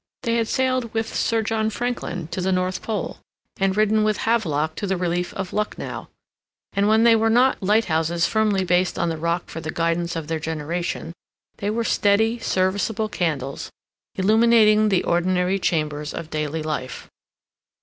They had sailed with Sir John Franklin to the North Pole, and ridden with Havelock to the Relief of Lucknow, and when they were not lighthouses firmly based on rock for the guidance of their generation, they were steady, serviceable candles, illuminating the ordinary chambers of daily life.